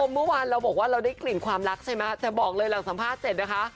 เมื่อวานเราบอกว่าเราได้กลิ่นความรักใช่ไหมแต่บอกเลยหลังสัมภาษณ์เสร็จนะคะ